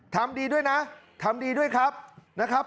ทำดีด้วยนะทำดีด้วยครับนะครับ